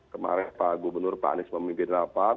kemarin pak gubernur pak anies memimpin rapat